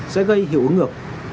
sẽ gây hiệu ứng ngược